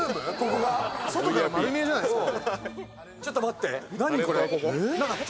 外から丸見えじゃないですか。